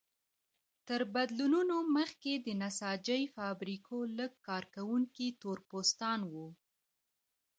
تر بدلونونو مخکې د نساجۍ فابریکو لږ کارکوونکي تور پوستان وو.